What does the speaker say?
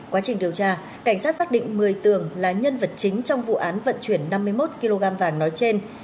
quá trình điều tra cảnh sát xác định một mươi tường là nhân vật chính trong vụ án vận chuyển năm mươi một kg vàng nói trên